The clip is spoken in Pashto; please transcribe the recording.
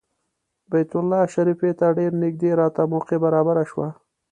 بیت الله شریفې ته ډېر نږدې راته موقع برابره شوه.